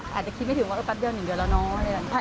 อาจจะคิดไม่ถึงว่าแป๊บเดียว๑เดือนแล้วเนาะ